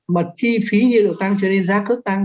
mà chi phí nhân liệu tăng cho nên giá cướp tăng